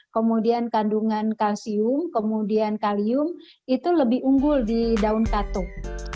kemudian kandungan kalsium kemudian kalium itu lebih unggul di daun katung